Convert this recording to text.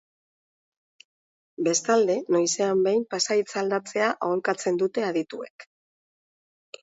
Bestalde, noizean behin pasahitza aldatzea aholkatzen dute adituek.